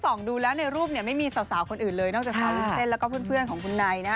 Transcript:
ส่องดูแล้วในรูปเนี่ยไม่มีสาวคนอื่นเลยนอกจากศัลกิษษและเพื่อนของคุณนายนะ